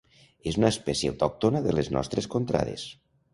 És una espècie autòctona de les nostres contrades.